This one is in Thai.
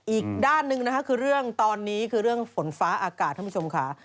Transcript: อีกด้านหนึ่งนะคือร่วมฝนฟ้าอากาศคุณผู้ชมค่ะ